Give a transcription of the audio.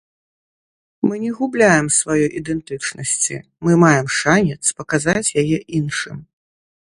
Мы не губляем сваёй ідэнтычнасці, мы маем шанец паказаць яе іншым.